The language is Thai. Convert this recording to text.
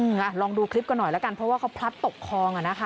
อ่ะลองดูคลิปกันหน่อยแล้วกันเพราะว่าเขาพลัดตกคลองอ่ะนะคะ